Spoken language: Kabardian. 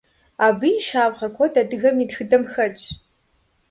Абы и щапхъэ куэд адыгэм и тхыдэм хэтщ.